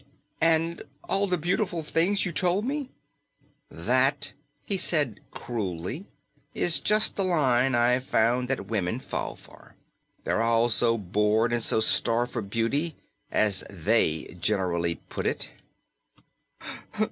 "And all the beautiful things you told me?" "That," he said cruelly, "is just a line I've found that women fall for. They're all so bored and so starved for beauty as they generally put it."